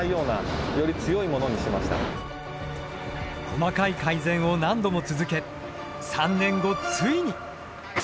細かい改善を何度も続け３年後ついに！